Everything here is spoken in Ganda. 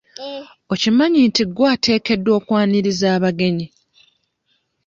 Okimanyi nti gwe ateekeddwa okwaniriza abagenyi?